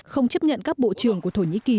không chấp nhận các bộ trưởng của thổ nhĩ kỳ